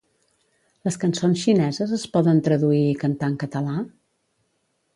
Les cançons xineses es poden traduir i cantar en català?